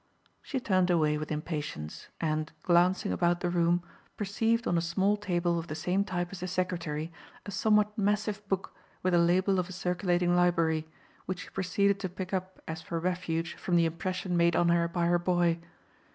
She turned away with impatience and, glancing about the room, perceived on a small table of the same type as the secretary a somewhat massive book with the label of a circulating library, which she proceeded to pick up as for refuge from the impression made on her by her boy.